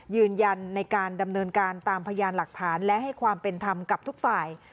ยืนยันในการดำเนินการตามพยานหลักฐานและให้ความเป็นธรรมกับทุกฝ่าย